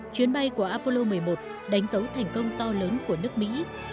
chuyến bay của apollo một mươi một đánh dấu thành công to lớn của nước mỹ